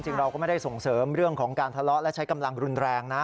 เราก็ไม่ได้ส่งเสริมเรื่องของการทะเลาะและใช้กำลังรุนแรงนะ